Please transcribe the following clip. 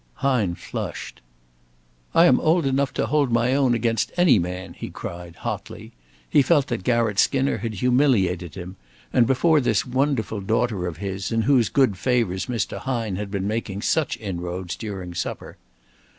Hine flushed. "I am old enough to hold my own against any man," he cried, hotly. He felt that Garratt Skinner had humiliated him, and before this wonderful daughter of his in whose good favors Mr. Hine had been making such inroads during supper.